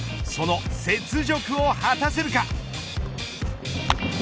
その雪辱を果たせるか。